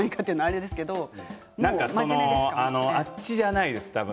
あっちじゃないです。